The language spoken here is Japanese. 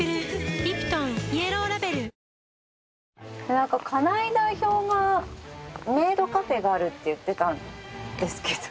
なんか金井代表がメイドカフェがあるって言ってたんですけど。